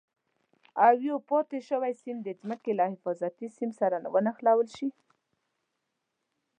او یو پاتې شوی سیم د ځمکې له حفاظتي سیم سره ونښلول شي.